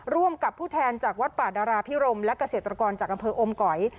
ร่วมกับผู้แทนจากวัดป่าดาราพิรมและเกษตรกรจากอำเภออมก๋อย